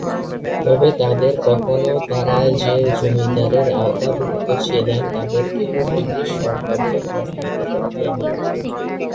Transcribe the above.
তবে তাদের কখনো তারা যে জমিদারের আওতাভুক্ত ছিলেন তাদেরকে বা ব্রিটিশ সরকারকে খাজনা দিতে হয়নি।